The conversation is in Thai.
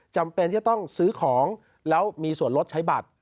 จำเป็นที่จะต้องซื้อของแล้วมีส่วนลดใช้บัตร